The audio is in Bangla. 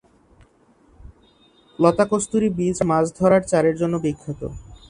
লতা কস্তুরী বীজ মাছ ধরার চারের এর জন্য বিখ্যাত।